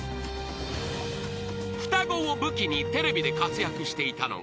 ［双子を武器にテレビで活躍していたのが］